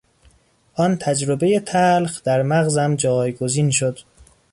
آن تجربهی تلخ در مغزم جایگزین شد.